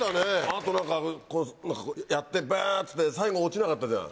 あとやってバっつって最後落ちなかったじゃん。